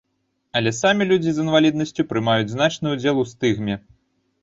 Але самі людзі з інваліднасцю прымаюць значны ўдзел у стыгме.